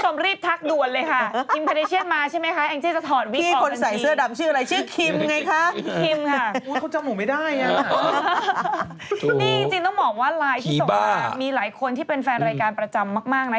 นี่จริงต้องบอกว่าไลน์ที่ส่งมามีหลายคนที่เป็นแฟนรายการประจำมากนะ